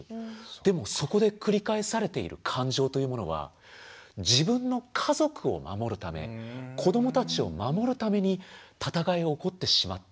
でもそこで繰り返されている感情というものは自分の家族を守るため子どもたちを守るために戦いが起こってしまっている。